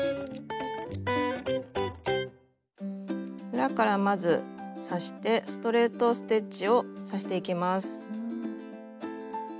裏からまず刺してストレート・ステッチを刺していきます。